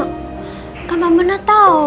gak mana mana tau